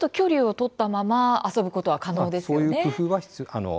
これだと距離を取ったまま遊ぶことが可能ですよね。